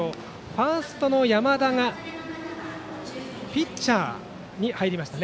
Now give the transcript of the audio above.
ファーストの山田がピッチャーに入りました。